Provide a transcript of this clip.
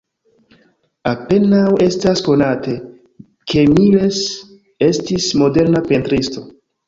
Apenaŭ estas konate, ke Miles estis moderna pentristo.